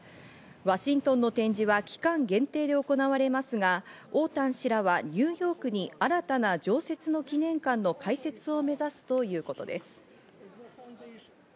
ワシントンの展示は期間限定で行われますが、オウ・タン氏らはニューヨークに新たな常設の記念館の開設を目指すということです。